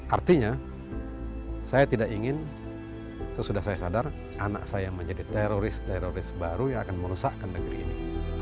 artinya saya tidak ingin sesudah saya sadar anak saya menjadi teroris teroris baru yang akan merusakkan negeri ini